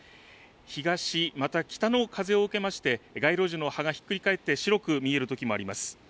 東また北の風を受けまして街路樹の葉がひっくり返って白く見えるときもあります。